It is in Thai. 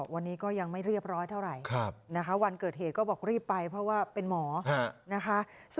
วันนี้ก็ยังไม่เรียบร้อยเท่าไหร่นะคะวันเกิดเหตุก็บอกรีบไปเพราะว่าเป็นหมอนะคะ